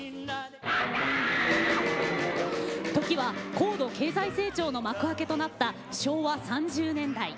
時は高度経済成長の幕開けとなった昭和３０年代。